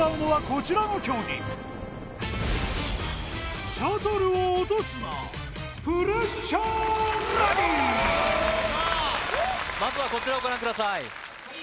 こちらの競技まずはこちらをご覧ください